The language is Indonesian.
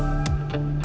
aku sudah berpikir pikir